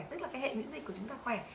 tức là hệ nhiễm dịch của chúng ta khỏe